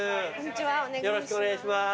よろしくお願いします。